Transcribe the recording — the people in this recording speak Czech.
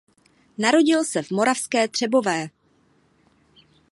Narodil se v Moravské Třebové.